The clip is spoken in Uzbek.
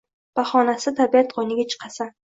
Bahonasida tabiat qoʻyniga chiqasan